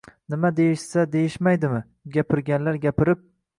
Nima deyishsa, deyishmaydimi, gapirganlar gapirib.